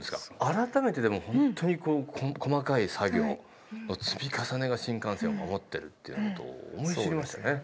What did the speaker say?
改めて本当に細かい作業の積み重ねが新幹線を守ってるっていうことを思い知りましたね。